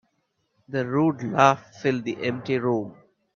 The rude laugh filled the empty room.